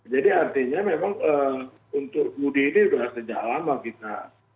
jadi artinya memang untuk judi ini sudah sejak lama kita